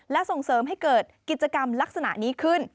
และส่งเสริมให้เกิดกิจกรรมลักษณะนี้ขึ้น